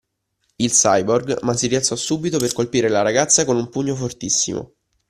Il cyborg ma si rialzò subito per colpire la ragazza con un pugno fortissimo.